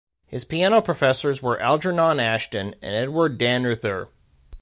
His piano professors were Algernon Ashton and Edward Dannreuther.